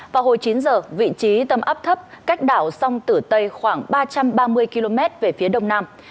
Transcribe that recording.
vào hồi chín giờ vị trí tâm áp thấp cách đảo sông tử tây khoảng ba trăm ba mươi km về phía đông nam